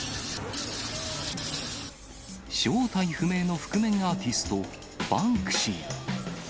正体不明の覆面アーティスト、バンクシー。